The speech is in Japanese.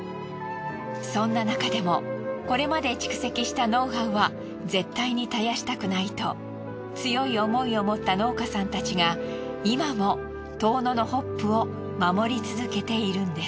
そんななかでもこれまで蓄積したノウハウは絶対に絶やしたくないと強い思いを持った農家さんたちが今も遠野のホップを守り続けているんです。